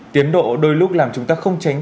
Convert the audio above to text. tiến độ đôi lúc làm chúng ta không tránh